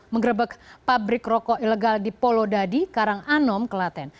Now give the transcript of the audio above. mengrebek pabrik rokok ilegal di polo dadi karang anom kelaten